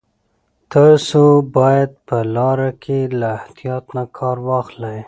تاسو باید په لاره کې له احتیاط نه کار واخلئ.